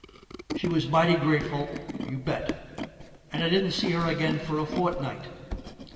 She was mighty grateful, you bet, and I didn't see her again for a fortnight.